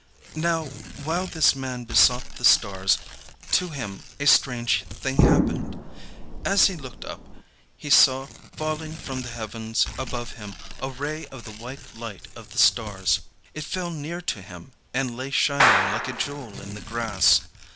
"Now, while this man besought the stars, to him a strange thing happened. As he looked up he saw falling from the heavens above him a ray of the white light of the stars. It fell near to him and lay shining like a jewel in the grass.